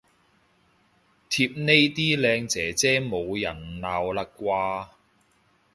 貼呢啲靚姐姐冇人鬧喇啩